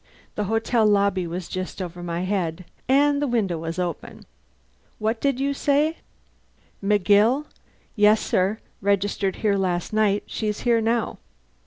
The hotel lobby was just over my head, and the window was open. "What did you say?" "" "McGill? Yes, sir, registered here last night. She's here now."